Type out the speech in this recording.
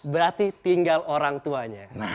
berarti tinggal orang tuanya